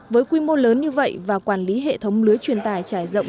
với quy mô lớn như vậy và quản lý hệ thống lưới truyền tải trải rộng